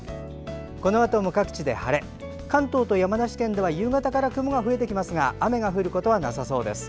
このあとも各地で晴れ関東と山梨県では夕方から雲が増えてきますが雨が降ることはなさそうです。